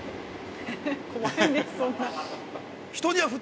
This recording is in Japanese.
◆怖いです、そんな。